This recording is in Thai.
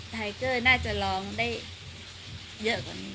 ไทเกอร์น่าจะร้องได้เยอะกว่านี้